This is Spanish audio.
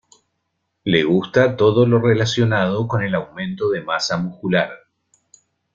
Le gusta todo lo relacionado con el aumento de masa muscular.